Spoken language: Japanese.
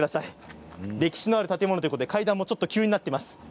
歴史のある建物ということで階段もちょっと急になっています。